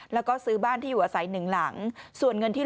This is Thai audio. แล้วก็ซื้อบ้านที่อยู่อาศัย๑หลัง